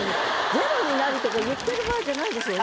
「０になり」とか言ってる場合じゃないですよ。